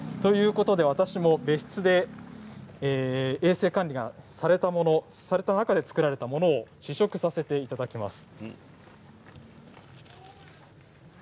私も別室で衛生管理がされた中で作られたものを試食させていただきます。